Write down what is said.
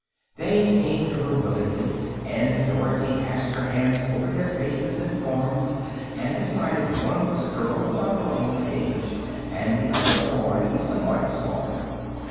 They came to her willingly, and Dorothy passed her hands over their faces and forms and decided one was a girl of about her own age and the other a boy somewhat smaller.